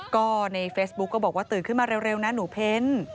ก็ในเฟซบุ๊กก็บอกว่าตื่นขึ้นมาเร็วนะหนูเพ้น